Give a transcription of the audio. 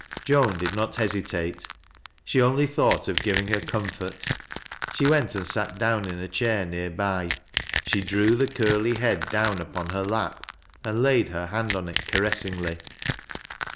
Joan did not hesitate. She only thought of giving her comfort. She went and sat down in a chair near by she drew the curly head down upon her lap, and laid hei hand on it caressingly.